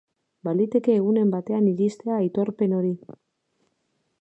Baliteke egunen batean iristea aitorpen hori.